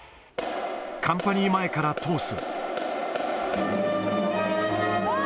カンパニー前から通す。